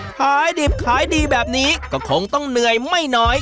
ขายดิบขายดีแบบนี้ก็คงต้องเหนื่อยไม่น้อย